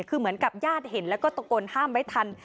คือเหมือนกับญาติเห็นแล้วก็ตะโกนห้ามไว้ทัน